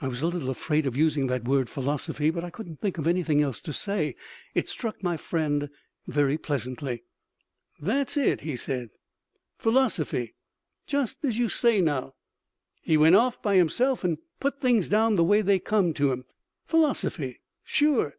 I was a little afraid of using that word "philosophy," but I couldn't think of anything else to say. It struck my friend very pleasantly. "That's it," he said, "philosophy. Just as you say, now, he went off by himself and put things down the way they come to him. Philosophy. Sure.